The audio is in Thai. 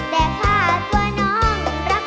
แต่ข้ากลัวน้องรัก